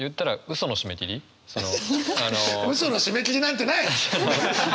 ウソの締め切りなんてない！